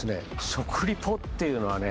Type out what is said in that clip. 食リポっていうのはね